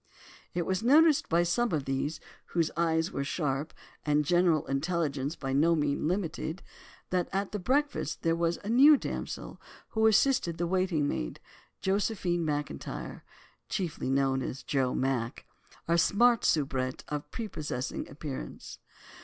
It was noticed by some of these whose eyes were sharp and general intelligence by no means limited, that at the breakfast there was a new damsel who assisted the waiting maid, Josephine Macintyre (chiefly known as Joe Mac), a smart soubrette of prepossessing appearance.